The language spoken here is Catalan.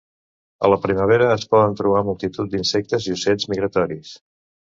A la primavera es poden trobar multitud d'insectes i ocells migratoris.